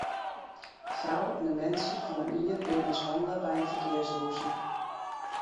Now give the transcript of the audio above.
In frou en in berntsje fan in jier binne mishannele by in ferkearsrûzje.